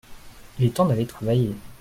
Il est temps d’aller travailler.